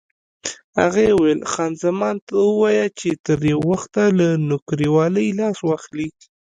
هغې وویل: خان زمان ته ووایه چې تر یو وخته له نوکرېوالۍ لاس واخلي.